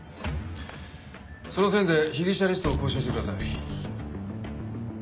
その線で被疑者リストを更新してください。